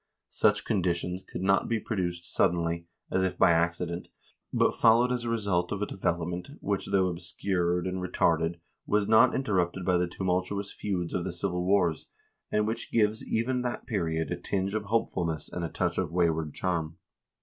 Such conditions could not be produced suddenly, as if by accident, but followed as a result of a development which, though obscured and retarded, was not interrupted by the tumultuous feuds of the civil wars, and which gives even that period a tinge of hopefulness and a touch of wayward charm.